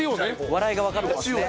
笑いがわかってますね。